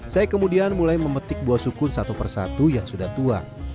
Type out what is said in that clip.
saya kemudian mulai memetik buah sukun satu persatu yang sudah tua